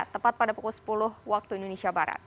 tepat pada pukul sepuluh waktu indonesia barat